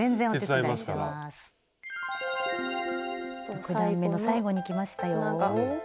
６段めの最後にきましたよ。